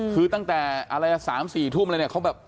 คือตั้งแต่๓๔ทุ่มอะไรเขาแบบ